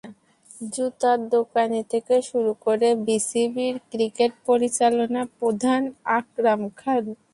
জুতার দোকানি থেকে শুরু করে বিসিবির ক্রিকেট পরিচালনা প্রধান আকরাম খান।